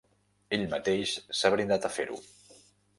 Ell mateix s'ha brindat a fer-ho.